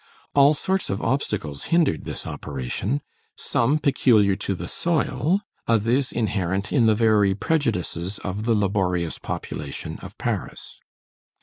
All sorts of obstacles hindered this operation, some peculiar to the soil, others inherent in the very prejudices of the laborious population of Paris.